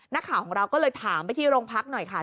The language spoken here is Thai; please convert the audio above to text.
นักข่าวของเราก็เลยถามไปที่โรงพักหน่อยค่ะ